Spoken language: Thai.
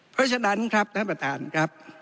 เพราะฉะนั้นครับท่านประธานครับ